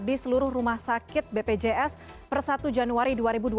di seluruh rumah sakit bpjs per satu januari dua ribu dua puluh